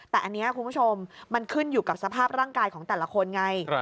แต่อันนี้คุณผู้ชมมันขึ้นอยู่กับสภาพร่างกายของแต่ละคนไง